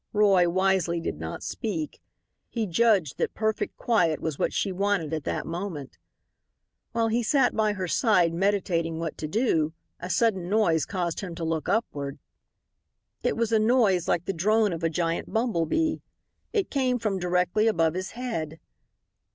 Roy wisely did not speak. He judged that perfect quiet was what she wanted at that moment. While he sat by her side meditating what to do a sudden noise caused him to look upward. It was a noise like the drone of a giant bumble bee. It came from directly above his head.